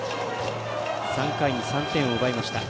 ３回に３点を奪いました。